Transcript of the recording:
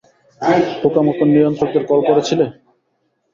পোকামাকড় নিয়ন্ত্রকদের কল করেছিলে?